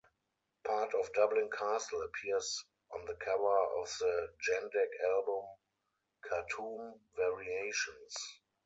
Part of Dublin Castle appears on the cover of the Jandek album "Khartoum Variations".